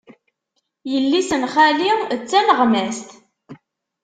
Yelli-s n xali d taneɣmast.